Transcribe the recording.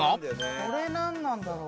「これなんなんだろう？」